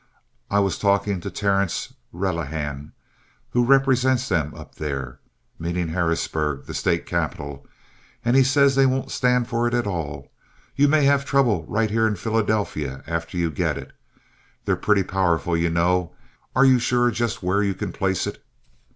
I was talking to Terrence Relihan, who represents them up there"—meaning Harrisburg, the State capital—"and he says they won't stand for it at all. You may have trouble right here in Philadelphia after you get it—they're pretty powerful, you know. Are you sure just where you can place it?"